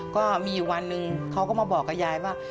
ก็มีอยู่วันหนึ่งเขาก็มาบอกกับยายว่า